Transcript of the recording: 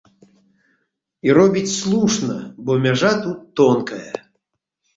І робіць слушна, бо мяжа тут тонкая.